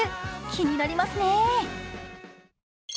気になりますよね。